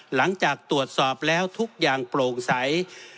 หลังจากตรวจสอบแล้วทุกอย่างโปร่งใส